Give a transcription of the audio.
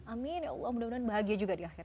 amin ya allah mudah mudahan bahagia juga di akhir